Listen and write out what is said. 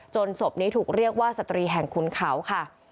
ศพนี้ถูกเรียกว่าสตรีแห่งขุนเขาค่ะ